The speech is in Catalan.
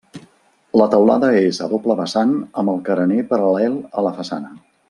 La teulada és a doble vessant amb el carener paral·lel a la façana.